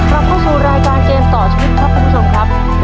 เราเข้าสู่รายการเกมต่อชีวิตครับคุณผู้ชมครับ